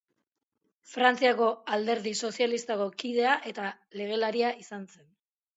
Frantziako Alderdi Sozialistako kidea eta legelaria izan zen.